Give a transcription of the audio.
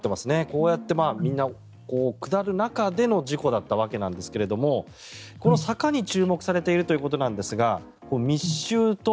こうやってみんな下る中での事故だったわけなんですがこの坂に注目されているということなんですが密集と